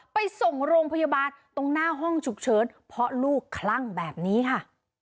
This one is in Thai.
ไปส่งโรงพยาบาลตรงหน้าห้องฉุกเฉินเพราะลูกคลั่งแบบนี้ค่ะ